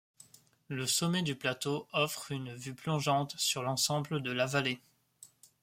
Le sommet du plateau offre une vue plongeante sur l'ensemble de la vallée.